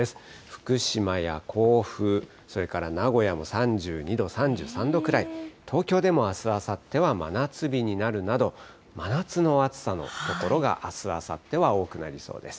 福島や甲府、それから名古屋も３２度、３３度くらい、東京でもあす、あさっては真夏日になるなど、真夏の暑さの所があす、あさっては多くなりそうです。